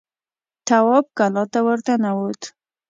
تواب کلا ته ور ننوت.